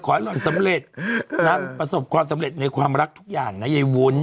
หล่อนสำเร็จนางประสบความสำเร็จในความรักทุกอย่างนะยายวุ้น